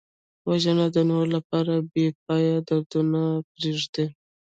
وژنه د نورو لپاره بېپایه دردونه پرېږدي